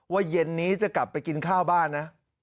เย็นนี้จะกลับไปกินข้าวบ้านนะ